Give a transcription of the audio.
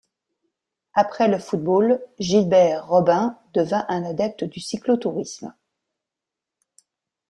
Après le football, Gilbert Robin devient un adepte du cyclotourisme.